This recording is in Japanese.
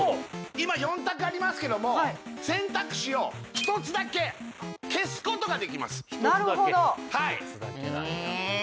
今４択ありますけども選択肢を１つだけ消すことができますなるほどえ？